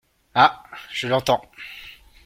Ah ! je l’entends.